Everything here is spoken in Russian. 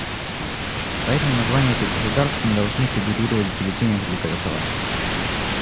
Поэтому названия этих государств не должны фигурировать в бюллетенях для голосования.